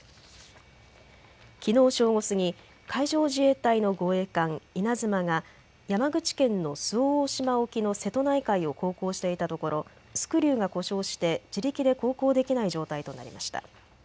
きのう正午過ぎ、海上自衛隊の護衛艦いなづまが山口県の周防大島沖の瀬戸内海を航行していたところスクリューが故障して自力で航行できない状態となりました。